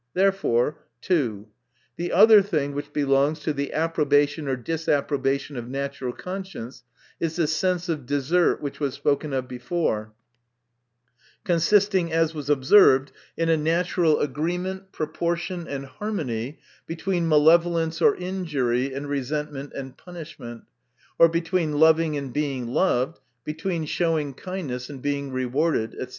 Therefore, 2. The other thing which belongs to the approbation or disapprobation of natural conscience, is the sense of desert, which was spoken of before ; consist ing, as was observed, in a natuial agreement, proportion and harmony between malevolence or injury, and resentment and punishment ; or between loving and being loved, between showing kindness and being rewarded, &c.